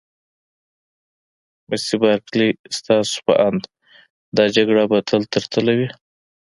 مس بارکلي: ستاسي په اند دا جګړه به تل تر تله وي؟